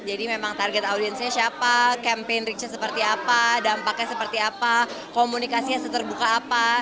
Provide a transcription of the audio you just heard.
jadi memang target audiensnya siapa campaign richnya seperti apa dampaknya seperti apa komunikasinya seterbuka apa